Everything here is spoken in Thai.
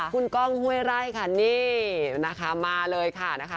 คุณก้องห้วยไร่ค่ะนี่นะคะมาเลยค่ะนะคะ